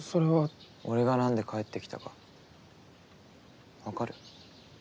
俺がなんで帰って来たか分かる？